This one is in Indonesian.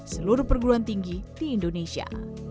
seluruh perguruan tinggi di indonesia